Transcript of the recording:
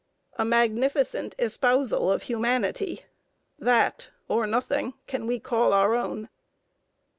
A magnificent espousal of humanity that or nothing can we call our own.